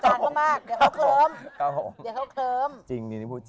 จะเข้าเขิม